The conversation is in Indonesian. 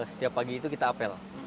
setiap pagi itu kita apel